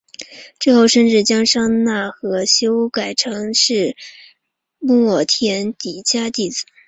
之后甚至将商那和修改成是末田底迦弟子。